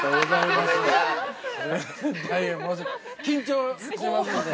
緊張していますんで。